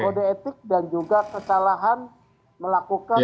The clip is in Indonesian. kode etik dan juga kesalahan melakukan